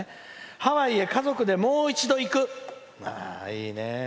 「ハワイへ家族でもう一度行く」。